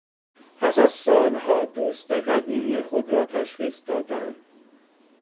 پس از سالها دوست قدیمی خود را تشخیص دادن